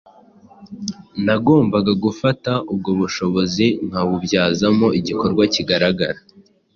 Nagombaga gufata ubwo bushobozi nkabubyazamo igikorwa kigaragara.